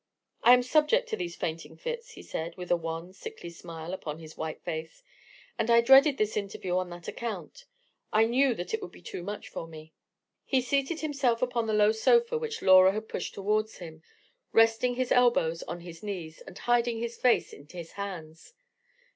"I am subject to these fainting fits," he said, with a wan, sickly smile upon his white face; "and I dreaded this interview on that account: I knew that it would be too much for me." He seated himself upon the low sofa which Laura had pushed towards him, resting his elbows on his knees, and hiding his face in his hands.